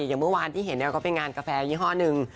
อย่างเมื่อวานที่เห็นก็เป็นงานกาแฟยี่ห้อหนึ่ง